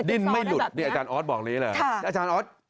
ดิ้นไม่หลุดนี่อาจารย์ออสบอกนี้เลยหรือ